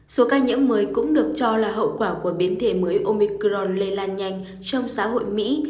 số ca nhiễm mới cũng được cho là hậu quả của biến thể mới omicron lây lan nhanh trong xã hội mỹ